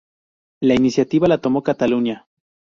La iniciativa la tomó Cataluña.